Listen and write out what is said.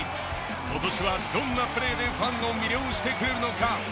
今年はどんなプレーでファンを魅了してくれるのか。